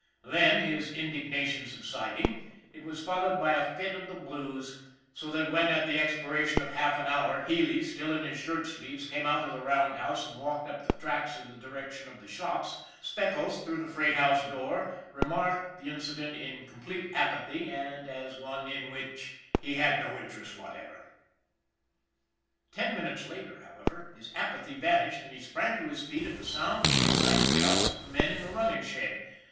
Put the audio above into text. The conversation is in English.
Then, his indignation sub siding, it was followed by a fit of the blues; so that when, at the expiration of half an hour, Healy, still in his shirt sleeves, came out of the roundhouse and walked up the tracks in the direction of the shops, Speckles, through the freight house door, remarked the incident in complete apathy and as one in which he had no interest whatever. Ten minutes later, however, his apathy vanished and he sprang to his feet at the sound of the excited shouts of the men in the running shed.